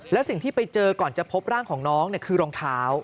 แล้วสิ่งที่ไปเจอก่อนจะพบร่างของน้องคือรองเท้า